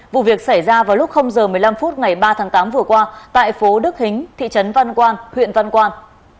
vụ việc xảy ra vào lúc h một mươi năm phút ngày ba tháng tám vừa qua tại phố đức hính thị trấn văn quang huyện văn quang